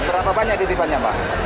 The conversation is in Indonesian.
berapa banyak titipannya pak